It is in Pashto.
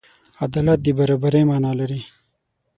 عدالت د برابري معنی لري.